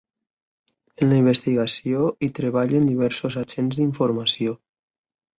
En la investigació hi treballen diversos agents d’informació.